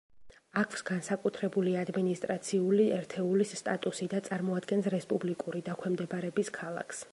აქვს განსაკუთრებულ ადმინისტრაციული ერთეულის სტატუსი და წარმოადგენს რესპუბლიკური დაქვემდებარების ქალაქს.